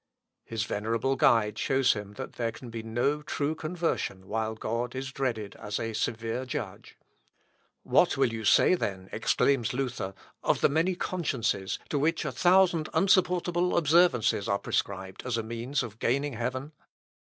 His venerable guide shows him that there can be no true conversion while God is dreaded as a severe Judge. "What will you say then," exclaims Luther, "of the many consciences, to which a thousand unsupportable observances are prescribed as a means of gaining heaven?"